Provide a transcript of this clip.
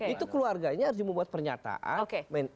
itu keluarganya harus membuat pernyataan